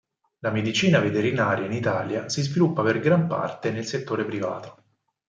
La medicina veterinaria in Italia si sviluppa per gran parte nel settore privato.